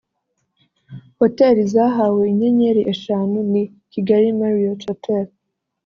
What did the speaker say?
Hoteli zahawe inyenyeri eshanu ni Kigali Marriot Hotel